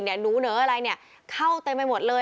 เนี่ยหนูเหนืออะไรเนี่ยเข้าเต็มไปหมดเลย